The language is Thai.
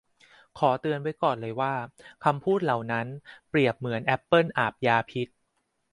ขอเตือนไว้ก่อนเลยว่าคำพูดเหล่านั้นเปรียบเหมือนแอปเปิลอาบยาพิษ